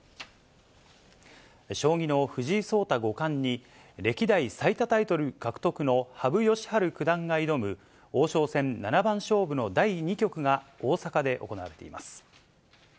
将棋の藤井聡太五冠に、歴代最多タイトル獲得の羽生善治九段が挑む、王将戦七番勝負の第２局が、大阪で行われています。